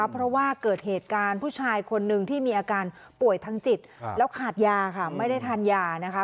เพราะว่าเกิดเหตุการณ์ผู้ชายคนหนึ่งที่มีอาการป่วยทางจิตแล้วขาดยาค่ะไม่ได้ทานยานะคะ